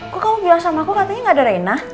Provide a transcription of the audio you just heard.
kok kamu bilang sama aku katanya gak ada reina